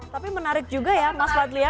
tapi menarik juga ya mas fadli ya